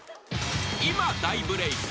［今大ブレーク。